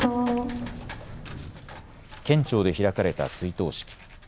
県庁で開かれた追悼式。